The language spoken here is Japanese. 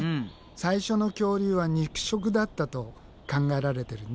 最初の恐竜は肉食だったと考えられてるんだ。